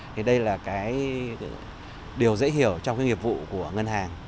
thì đây là điều dễ hiểu trong nghiệp vụ của ngân hàng